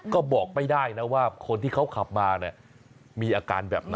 ก็บอกไม่ได้นะว่าคนที่เขาขับมาเนี่ยมีอาการแบบไหน